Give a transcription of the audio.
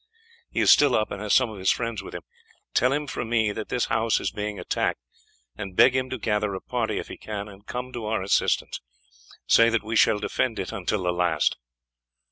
He is still up, and has some of his friends with him. Tell him from me that this house is being attacked, and beg him to gather a party, if he can, and come to our assistance. Say that we shall defend it until the last."